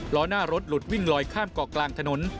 ล้อหน้ารถหลุดวิ่งลอยข้ามเกาะกลางถนน